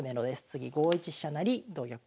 次５一飛車成同玉